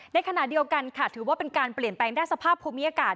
ในขณะเดียวกันค่ะถือว่าเป็นการเปลี่ยนแปลงด้านสภาพภูมิอากาศ